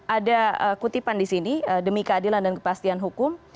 ada kutipan di sini demi keadilan dan kepastian hukum